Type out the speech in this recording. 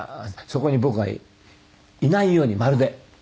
そこに僕がいないようにまるで。